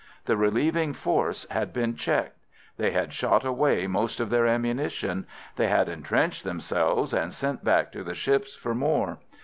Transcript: The relieving force had been checked. They had shot away most of their ammunition. They had entrenched themselves and sent back to the ships for more.